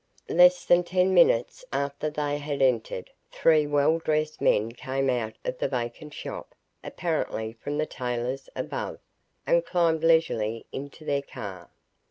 Less than ten minutes after they had entered, three well dressed men came out of the vacant shop, apparently from the tailor's above, and climbed leisurely into their car.